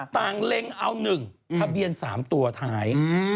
ต่างเล็งเอา๑ทะเบียน๓ตัวถ่าย